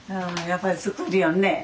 やっぱり作りよるね。